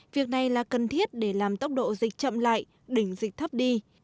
việc này là cần thiết để làm tốc độ dịch chậm lại đỉnh dịch thấp đi